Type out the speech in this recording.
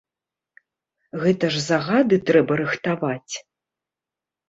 Гэта ж загады трэба рыхтаваць.